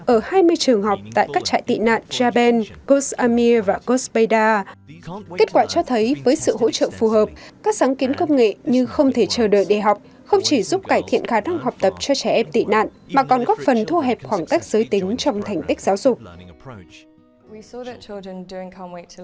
ở hai mươi trường học tại các trại tị nạn jaben guz amir và kospeda kết quả cho thấy với sự hỗ trợ phù hợp các sáng kiến công nghệ như không thể chờ đợi để học không chỉ giúp cải thiện khả năng học tập cho trẻ em tị nạn mà còn góp phần thu hẹp khoảng cách giới tính trong thành tích giáo dục